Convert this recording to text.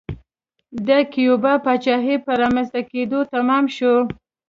د کیوبا پاچاهۍ په رامنځته کېدو تمام شو.